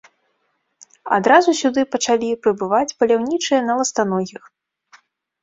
Адразу сюды пачалі прыбываць паляўнічыя на ластаногіх.